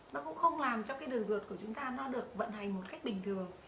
nó cũng không làm cho cái đời ruột của chúng ta nó được vận hành một cách bình thường